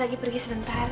lo ngerti kan aku sama kamu